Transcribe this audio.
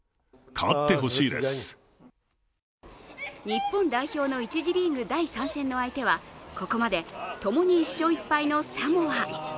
日本代表の１次リーグ第３戦の相手は、ここまで、ともに１勝１敗のサモア。